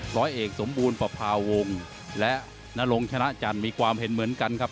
ร้อยเอกสมบูรณ์ประพาวงศ์และนรงชนะจันทร์มีความเห็นเหมือนกันครับ